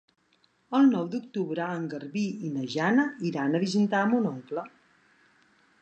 El nou d'octubre en Garbí i na Jana iran a visitar mon oncle.